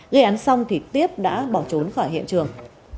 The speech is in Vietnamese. gây án xong thì tiếp đã bỏ trốn khỏi hiện trường